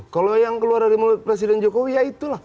kalau yang keluar dari mulut presiden jokowi ya itulah